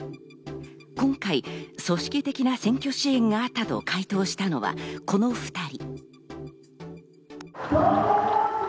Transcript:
今回、組織的な選挙支援があったと回答したのはこの２人。